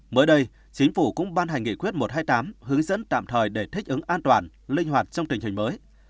mới đây chính phủ cũng ban hành nghị quyết một trăm hai mươi tám hướng dẫn tạm thời để thích ứng an toàn linh hoạt trong tình hình mới